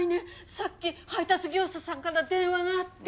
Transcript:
さっき配達業者さんから電話があって。